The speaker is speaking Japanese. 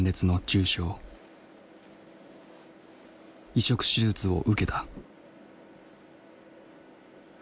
移植手術を受けた。